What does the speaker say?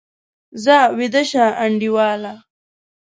ځه، ویده شه انډیواله!